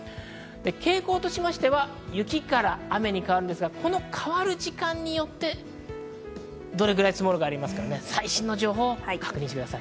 傾向としましては、雪から雨に変わるんですが、この変わる時間によってどれぐらい積もるか、最新の情報を確認してください。